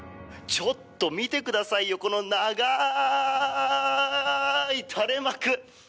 ちょっと見てくださいよこの長い垂れ幕！